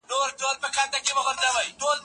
طلاق کله مکروه او کله حرام ګرځي؟